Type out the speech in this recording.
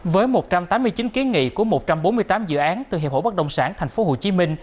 với một trăm tám mươi chín kiến nghị của một trăm bốn mươi tám dự án từ hiệp hộ bắc đông sản tp hcm